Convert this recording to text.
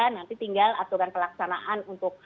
nanti tinggal aturan pelaksanaan untuk